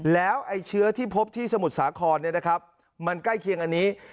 แล้วไอ้เชื้อที่พบที่สมุทรสาครมันใกล้เคียงอันนี้